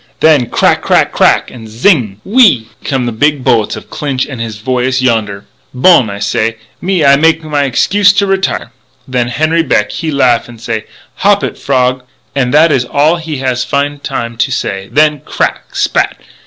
"Then crack! crack! crack! and zing gg! whee ee! come the big bullets of Clinch and his voyous yonder. "'Bon,' I say, 'me, I make my excuse to retire.' "Then Henri Beck he laugh and say, 'Hop it, frog!' And that is all he has find time to say, when crack! spat!